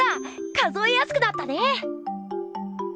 数えやすくなったね！